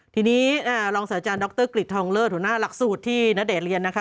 ทีนี้รองศาสตราจารย์ดรกฤษทองเลิศหัวหน้าหลักสูตรที่ณเดชน์เรียนนะคะ